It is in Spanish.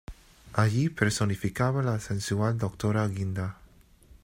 Allí personificaba a la sensual "Doctora Guinda".